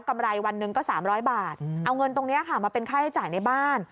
ไรวันหนึ่งก็๓๐๐บาทเอาเงินตรงนี้ค่ะมาเป็นค่าใช้จ่ายในบ้าน